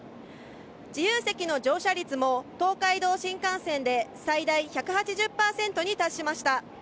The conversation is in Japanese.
自由席の乗車率も東海道新幹線で最大１８０％に達しました。